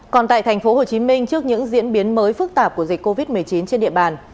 còn tại tp hcm trước những diễn biến mới phức tạp của dịch covid một mươi chín trên địa bàn